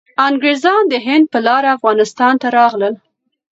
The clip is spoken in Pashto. انګریزان د هند په لاره افغانستان ته راغلل.